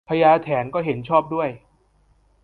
พญาแถนก็เห็นชอบด้วย